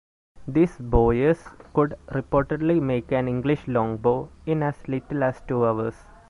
These bowyers could reportedly make an English longbow in as little as two hours.